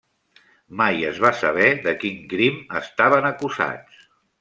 Mai es va saber de quin crim estaven acusats.